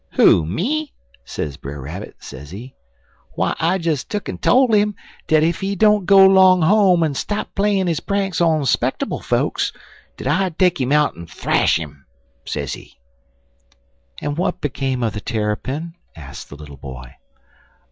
"'Who? me?' sez Brer Rabbit, sezee; 'w'y I des tuck en tole 'im dat ef he didn't go 'long home en stop playin' his pranks on spectubble fokes, dat I'd take 'im out and th'ash 'im,' sezee." "And what became of the Terrapin?" asked the little boy.